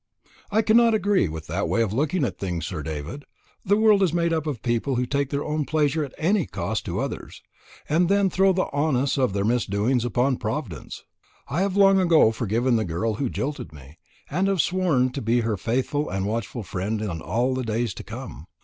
"I cannot agree with that way of looking at things, Sir David. The world is made up of people who take their own pleasure at any cost to others, and then throw the onus of their misdoings upon Providence. I have long ago forgiven the girl who jilted me, and have sworn to be her faithful and watchful friend in all the days to come.